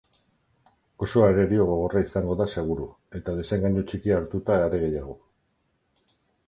Oso arerio gogorra izango da seguru, eta desengainu txikia hartuta are gehiago.